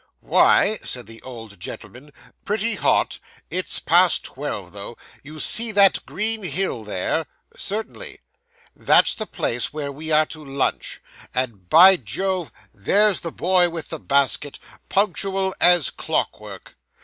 'Why,' said the old gentleman, 'pretty hot. It's past twelve, though. You see that green hill there?' 'Certainly.' 'That's the place where we are to lunch; and, by Jove, there's the boy with the basket, punctual as clockwork!